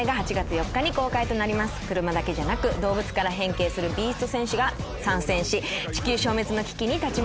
車だけじゃなく動物から変形するビースト戦士が参戦し地球消滅の危機に立ち向かう